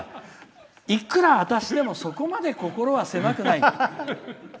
いくら私でもそこまで心は狭くない。